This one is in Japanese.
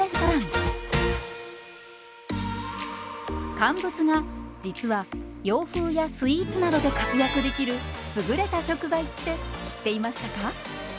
乾物が実は洋風やスイーツなどで活躍できる優れた食材って知っていましたか？